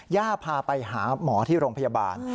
พาไปหาหมอที่โรงพยาบาล